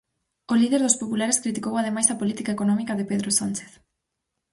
O líder dos populares criticou ademais a política económica de Pedro Sánchez.